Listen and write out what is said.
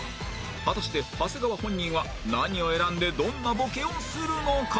果たして長谷川本人は何を選んでどんなボケをするのか